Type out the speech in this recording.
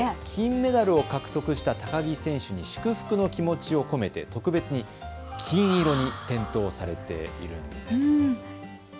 金メダルを獲得した高木選手に祝福の気持ちを込めて特別に金色に点灯されているんです。